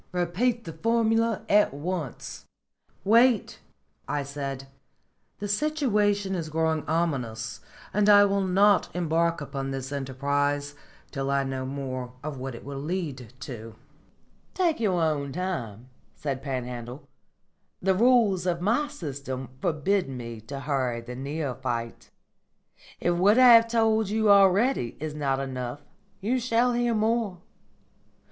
Repeat the formula at once." "Wait," I said. "The situation is growing ominous, and I will not embark upon this enterprise till I know more of what it will lead to." "Take your own time," said Panhandle. "The rules of my system forbid me to hurry the neophyte. If what I have told you already is not enough, you shall hear more.